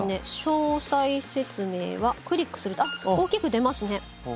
詳細説明はクリックすると大きく出ますね。